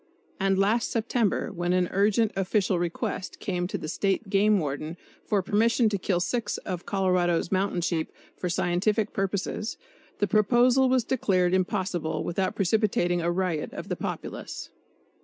And last September when an urgent official request came to the State Game Warden for permission to kill six of Colorado's mountain sheep "for scientific purposes," the proposal was declared impossible without precipitating a riot of the populace.